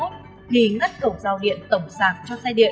thì ngắt cầu giao điện tổng xạc cho xe điện